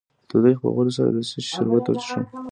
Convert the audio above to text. د تودوخې د وهلو لپاره د څه شي شربت وڅښم؟